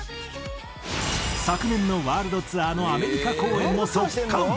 昨年のワールドツアーのアメリカ公演も即完！